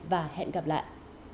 và hẹn gặp lại